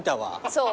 そう。